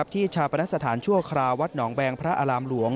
ที่ชาปนสถานชั่วคราวัตนองแบงพระอาลาหมลวง